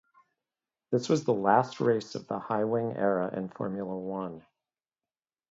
This was the last race of the high wing era in Formula One.